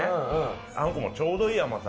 あんこもちょうどいい甘さ。